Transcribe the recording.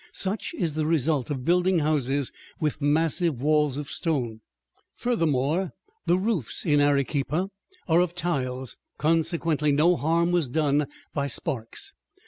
Such is the result of building houses with massive walls of stone. Furthermore, the roofs in Arequipa are of tiles; consequently no harm was done by sparks.